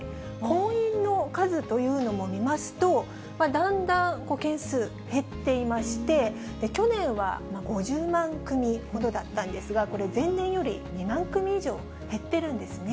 婚姻の数というのも見ますと、だんだん件数、減っていまして、去年は５０万組ほどだったんですが、これ、前年より２万組以上減っているんですね。